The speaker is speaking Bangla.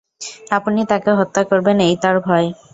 আপনি তাকে হত্যা করবেন এই তার ভয়।